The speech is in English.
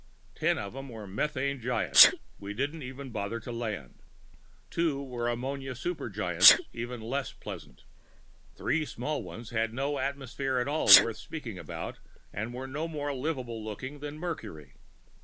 Ten of 'em were methane giants; we didn't even bother to land. Two were ammonia supergiants, even less pleasant. Three small ones had no atmosphere at all worth speaking about, and were no more livable looking than Mercury.